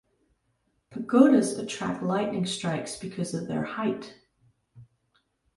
Pagodas attract lightning strikes because of their height.